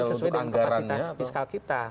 ya tentu sesuai dengan kapasitas fiskal kita